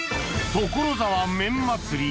所沢麺祭り